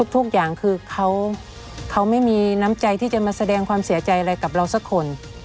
ทุกอย่างคือเขาไม่มีน้ำใจที่จะมาแสดงความเสียใจอะไรกับเราสักคน